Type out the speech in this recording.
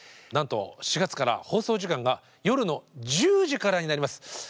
なんと４月から放送時間が夜の１０時からになります。